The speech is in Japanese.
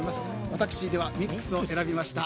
私、ミックスを選びました。